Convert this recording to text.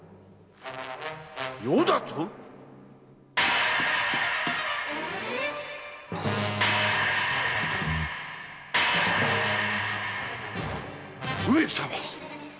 「余」だと⁉上様！